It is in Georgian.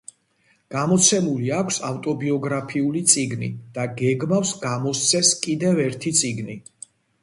გამოცემული აქვს ავტობიოგრაფიული წიგნი და გეგმავს გამოსცეს კიდევ ერთი წიგნი.